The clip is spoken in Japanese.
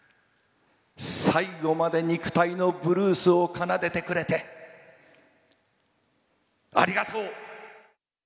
最後まで肉体のブルースを奏でてくれてありがとう！